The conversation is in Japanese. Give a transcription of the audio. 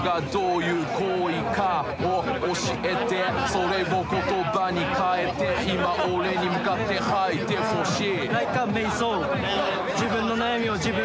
それを言葉に代えて今俺に向かって吐いてほしい！